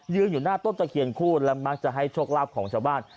อยู่หน้าต้นตะเคียนคู่และมักจะให้โชคลาภของชาวบ้าน